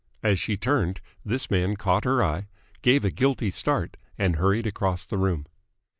As she turned, this man caught her eye, gave a guilty start, and hurried across the room.